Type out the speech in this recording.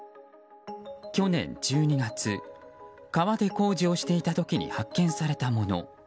去年１２月川で工事をしていた時に発見されたもの。